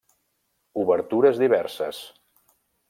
Obertures diverses.